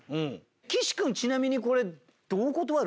岸君ちなみにこれどう断る？